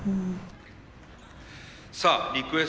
さあリクエスト